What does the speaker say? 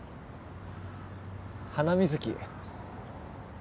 ハナミズキ。